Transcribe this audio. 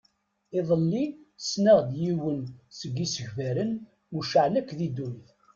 Iḍelli ssneɣ-d yiwen seg isegbaren mucaεen akk di ddunit.